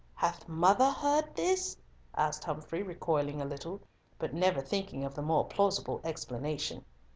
"Hath mother heard this?" asked Humfrey, recoiling a little, but never thinking of the more plausible explanation.